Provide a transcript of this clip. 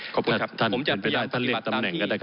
ขอบคุณครับผมจะพยายามผลิตตามที่